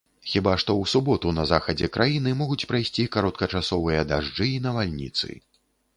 Хіба што ў суботу на захадзе краіны могуць прайсці кароткачасовыя дажджы і навальніцы.